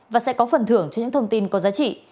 và sẽ có phần thưởng cho những thông tin có giá trị